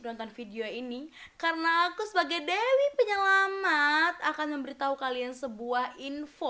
nonton video ini karena aku sebagai dewi penyelamat akan memberitahu kalian sebuah info